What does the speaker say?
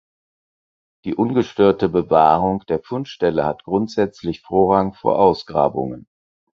Die ungestörte Bewahrung der Fundstelle hat grundsätzlich Vorrang vor Ausgrabungen.